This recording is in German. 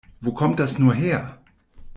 Wo kommt das nur her?